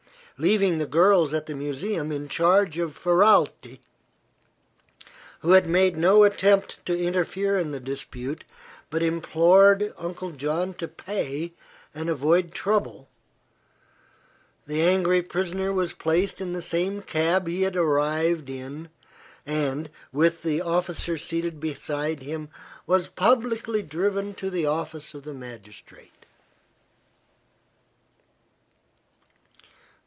Leaving the girls at the museum in charge of Ferralti, who had made no attempt to interfere in the dispute but implored Uncle John to pay and avoid trouble, the angry prisoner was placed in the same cab he had arrived in and, with the officer seated beside him, was publicly driven to the office of the magistrate.